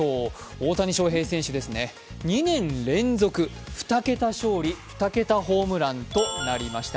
大谷翔平選手です、２年連続２桁勝利・２桁ホームランとなりました。